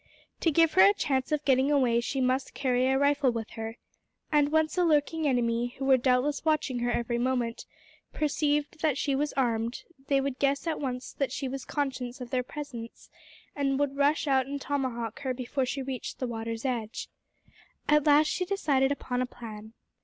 To give her a chance of getting away she must carry a rifle with her, and once the lurking enemy, who were doubtless watching her every movement, perceived that she was armed they would guess at once that she was conscious of their presence, and would rush out and tomahawk her before she reached the water's edge. At last she decided upon a plan.